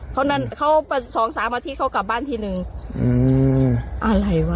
คนที่มา๒๓อาทิตย์ไปกลับบ้านที่นึงอืออะไรวะ